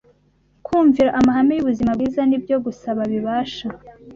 Kumvira amahame y’ubuzima bwiza ni byo gusa bibasha